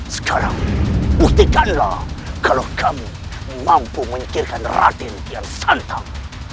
sekarang buktikanlah kalau kami mampu menjengkelkan raden kiansantak